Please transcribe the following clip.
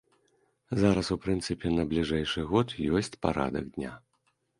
Зараз, у прынцыпе, на бліжэйшы год ёсць парадак дня.